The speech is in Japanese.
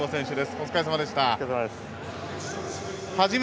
お疲れさまでした。